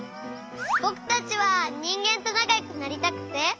ぼくたちはにんげんとなかよくなりたくて。